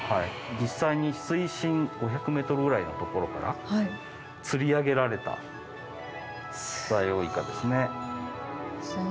実際に水深５００ｍぐらいの所から釣り上げられたダイオウイカですね。